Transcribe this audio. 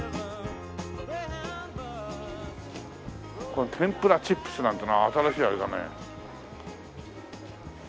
この「天ぷらチップス」なんていうのは新しいあれだね。